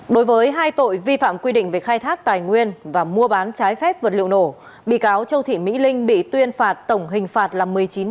đối với hai tội vi phạm quy định về khai thác tài nguyên và mua bán trái phép vật liệu nổ bị cáo châu thị mỹ linh bị tuyên phạt tổng hình phạt là một mươi chín năm tù phạt bổ sung hai trăm linh triệu đồng